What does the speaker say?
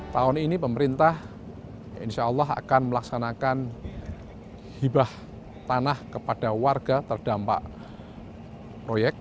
tahun ini pemerintah insya allah akan melaksanakan hibah tanah kepada warga terdampak proyek